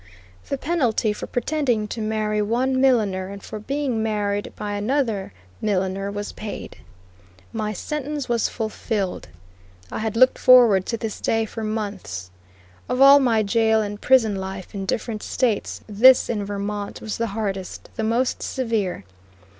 The penalty for pretending to marry one milliner and for being married by another milliner was paid. My sentence was fulfilled. I had looked forward to this day for months. Of all my jail and prison life in different States, this in Vermont was the hardest, the most severe.